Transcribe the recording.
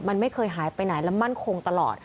มันไม่เคยหายไปไหนและมั่นคงตลอด